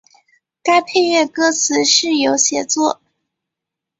该配乐歌词是由写作。